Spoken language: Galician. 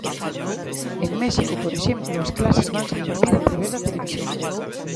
En México, por exemplo, as clases vanse impartir a través da televisión.